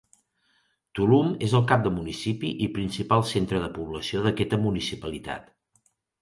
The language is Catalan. Tulum és el cap de municipi i principal centre de població d'aquesta municipalitat.